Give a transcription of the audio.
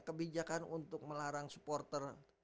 kebijakan untuk melarang supporter